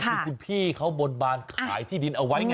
คือคุณพี่เขาบนบานขายที่ดินเอาไว้ไง